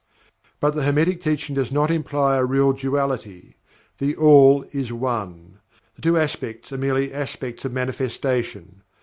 But, the Hermetic teaching does not imply a real duality THE ALL is ONE the Two Aspects are merely aspects of manifestation.